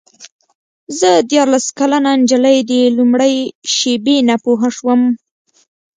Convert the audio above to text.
زه دیارلس کلنه نجلۍ د لومړۍ شېبې نه پوه شوم.